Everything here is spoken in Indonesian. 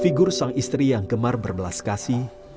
figur sang istri yang gemar berbelas kasih